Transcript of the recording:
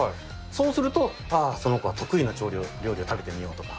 そうすると、ああ、その子が得意な料理を食べてみようとか。